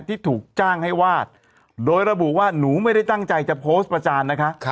ที่ถูกจ้างให้วาดโดยระบุว่าหนูไม่ได้ตั้งใจจะโพสต์ประจานนะคะ